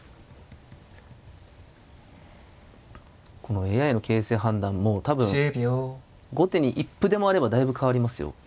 このＡＩの形勢判断も多分後手に一歩でもあればだいぶ変わりますよ。